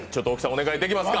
お願いできますか？